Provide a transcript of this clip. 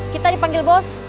kita dipanggil bos